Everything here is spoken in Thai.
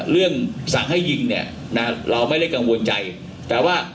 เรื่องสั่งให้ยิงเนี่ยนะเราไม่ได้กังวลใจแต่ว่า